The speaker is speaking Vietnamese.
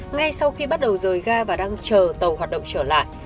ngay sau khi bắt đầu rời ga và đang chờ tàu hoạt động trở lại